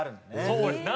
そうです。